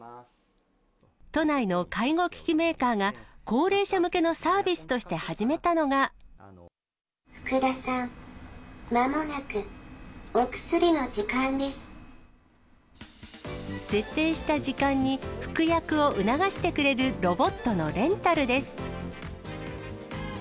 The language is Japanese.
都内の介護機器メーカーが、高齢者向けのサービスとして始めフクダさん、設定した時間に、服薬を促してくれるロボットのレンタルです。